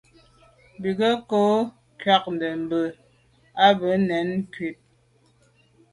Bú jə́ ŋgɔ́ gə́ kwáàdə́ mbə̄ à bá nə̀ zwí ŋkɔ́.